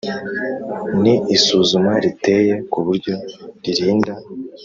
ni isuzuma riteye ku buryo ririnda